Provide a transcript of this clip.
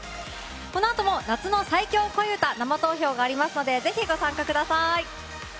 このあとも夏の最強恋うた生投票がありますのでぜひ、ご参加ください。